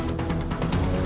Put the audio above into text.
aku mau berjalan